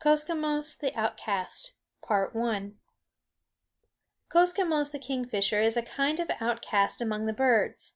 KOSKOMENOS THE OUTCAST Koskomenos the kingfisher is a kind of outcast among the birds.